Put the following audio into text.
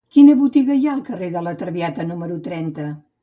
Quina botiga hi ha al carrer de La Traviata número trenta?